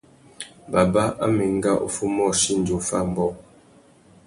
Baba a mà enga uffê umôchï indi offa ambōh.